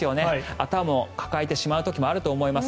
頭を抱えてしまう時もあると思います。